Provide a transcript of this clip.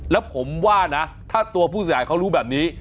แล้วผมว่านะถ้าตัวผู้เสียหายเขารู้แบบนี้